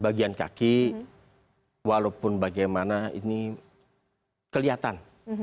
bagian kaki walaupun bagaimana ini kelihatan